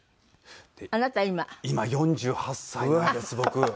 今４８歳なんです僕。